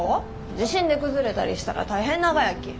地震で崩れたりしたら大変ながやき。